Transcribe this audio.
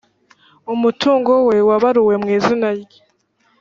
umutungo we wabaruwe mw’izina rye